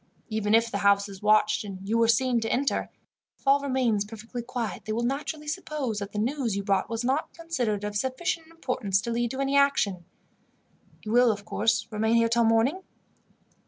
Even if the house is watched, and you were seen to enter, if all remains perfectly quiet they will naturally suppose that the news you brought was not considered of sufficient importance to lead to any action. You will, of course, remain here till morning?"